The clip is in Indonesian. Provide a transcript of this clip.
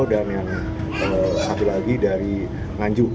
dan yang satu lagi dari nganju